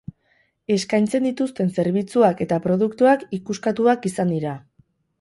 Eskaintzen dituzten zerbitzuak eta produktuak ikuskatuak izan dira.